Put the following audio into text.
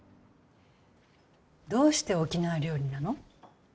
どうして沖縄料理なの？